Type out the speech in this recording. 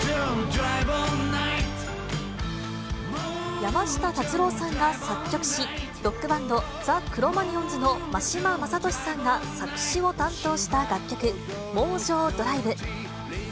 山下達郎さんが作曲し、ロックバンド、ザ・クロマニヨンズの真島昌利さんが作詞を担当した楽曲、モージョー・ドライブ。